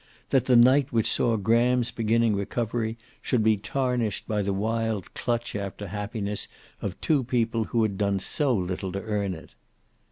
That the night which saw Graham's beginning recovery should be tarnished by the wild clutch after happiness of two people who had done so little to earn it.